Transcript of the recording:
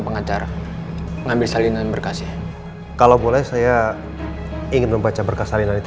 pengacara mengambil salinan berkasnya kalau boleh saya ingin membaca berkas salinan itu